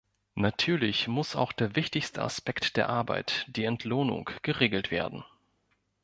Natürlich muss auch der wichtigste Aspekt der Arbeit, die Entlohnung, geregelt werden.